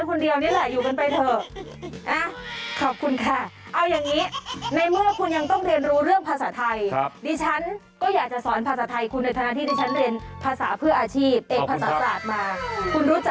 ผมเป็นลูกครึ่งอังกฤษอังกฤษ